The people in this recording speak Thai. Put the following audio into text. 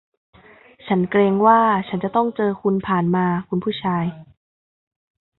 ฉันเกรงว่าฉันจะต้องเจอคุณผ่านมา คุณผู้ชาย